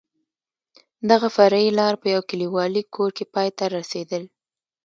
دغه فرعي لار په یو کلیوالي کور کې پای ته رسېدل.